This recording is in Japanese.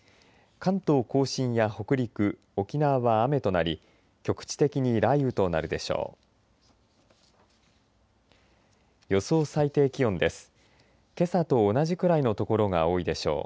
関東甲信や北陸沖縄は雨となり局地的に雷雨となるでしょう。